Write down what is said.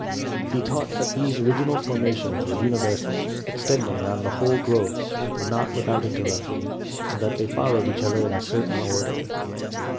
He taught that these original formations were uni versal, extending round the whole globe, tho not without interruption, and that they followed each other in a cer tain order.